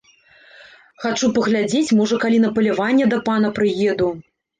Хачу паглядзець, можа, калі на паляванне да пана прыеду.